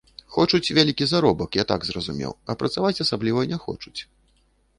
Хочуць вялікі заробак, я так зразумеў, а працаваць асабліва не хочуць.